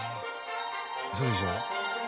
ウソでしょ？